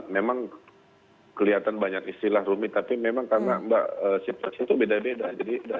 memang kelihatan banyak istilah rumit tapi memang karena mbak situasi itu beda beda